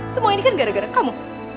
semua ini kan gara gara kamu